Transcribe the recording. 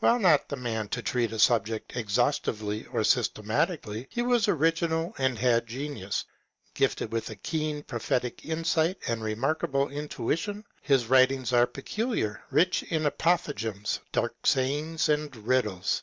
While not the man to treat a subject exhaustively or systematically, he was original and had genius. Gifted with a keen pro* phetic insight and remarkable intuition, his writings are peculiar, rich in apothegms, dark sayings, and riddles.